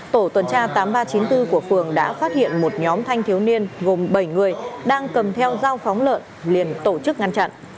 tổ tuần tra tám nghìn ba trăm chín mươi bốn của phường đã phát hiện một nhóm thanh thiếu niên gồm bảy người đang cầm theo dao phóng lợn liền tổ chức ngăn chặn